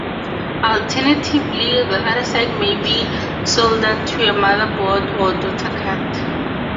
Alternatively, the other side may be soldered to a motherboard or daughtercard.